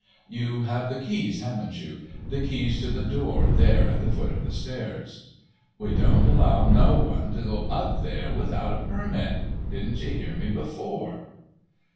"You have the keys, haven't you—the keys to the door there at the foot of the stairs?" "We don't allow no one to go up there without a permit. Didn't you hear me before?"